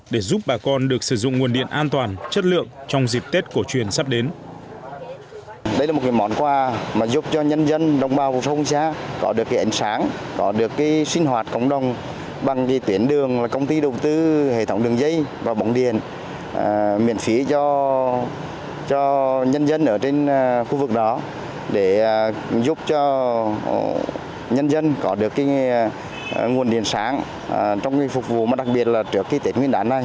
để giúp bà con được sử dụng nguồn điện an toàn chất lượng trong dịp tết cổ truyền sắp đến